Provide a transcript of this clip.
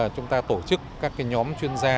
chúng ta tổ chức các nhóm chuyên gia